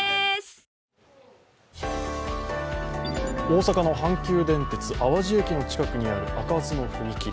大阪の阪急電鉄淡路駅の近くにある開かずの踏切。